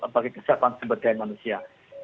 bagi kesiapan sepeda manusia